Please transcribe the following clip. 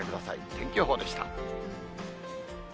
天気予報でした。